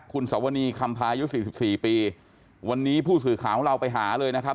คุณสวนีคำพายุสี่สิบสี่ปีวันนี้ผู้สื่อข่าวของเราไปหาเลยนะครับ